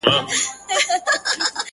• هر وختي ته نـــژدې كـيــږي دا ـ